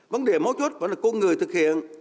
vấn đề mấu chốt vẫn là con người thực hiện